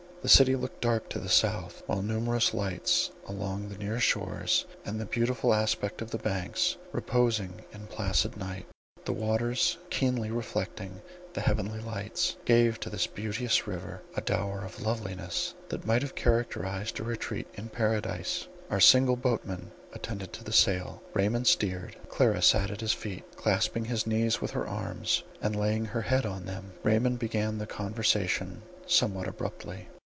The city looked dark to the south, while numerous lights along the near shores, and the beautiful aspect of the banks reposing in placid night, the waters keenly reflecting the heavenly lights, gave to this beauteous river a dower of loveliness that might have characterized a retreat in Paradise. Our single boatman attended to the sail; Raymond steered; Clara sat at his feet, clasping his knees with her arms, and laying her head on them. Raymond began the conversation somewhat abruptly.